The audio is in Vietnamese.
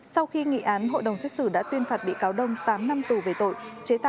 sau khi nghị án hội đồng xét xử đã tuyên phạt bị cáo đông tám năm tù về tội